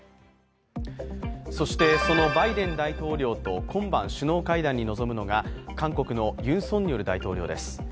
そして、そのバイデン大統領と今晩首脳会談に臨むのが韓国のユン・ソンニョル大統領です。